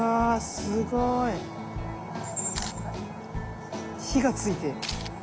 すごい。火がついて。